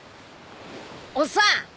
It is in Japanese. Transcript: おっさん。